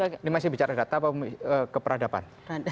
ini masih bicara data keperadaban